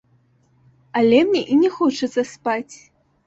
Але мне і не хочацца спаць.